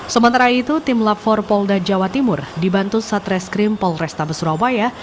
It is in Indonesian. sementara itu tim lafor polda jawa timur dibantu satreskrim polrestabes surabaya